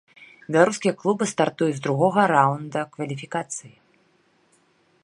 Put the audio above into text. Беларускія клубы стартуюць з другога раўнда кваліфікацыі.